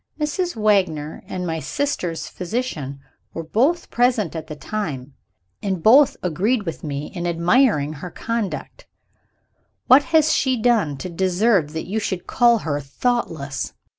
Mrs. Wagner and my sister's physician were both present at the time, and both agreed with me in admiring her conduct. What has she done to deserve that you should call her thoughtless?"